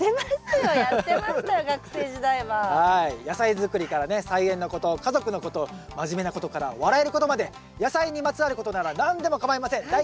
野菜作りからね菜園のこと家族のこと真面目なことから笑えることまで野菜にまつわることなら何でもかまいません。